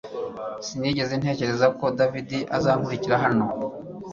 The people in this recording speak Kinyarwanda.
Sinigeze ntekereza ko David azankurikira hano